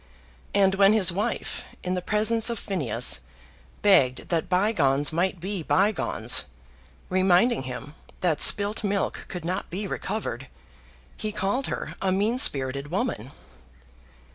And when his wife, in the presence of Phineas, begged that bygones might be bygones, reminding him that spilt milk could not be recovered, he called her a mean spirited woman.